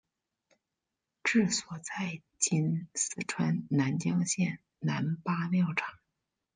治所在今四川南江县南八庙场。